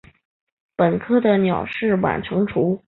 本科的鸟是晚成雏。